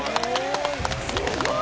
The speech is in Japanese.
すごい。